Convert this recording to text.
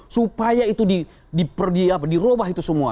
supaya itu diperdiapa dirobah itu semua